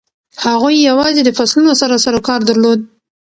هغوی یوازې د فصلونو سره سروکار درلود.